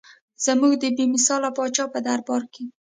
زموږ د بې مثال پاچا په دربار کې.